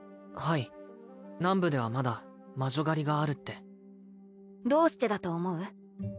はい南部ではまだ魔女狩りがあるってどうしてだと思う？